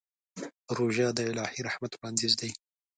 روژه د الهي رحمت وړاندیز دی.